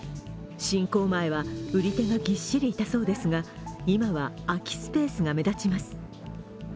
侵攻前は、売り手がぎっしりいたそうですが、今は空きスペースが目立ちます。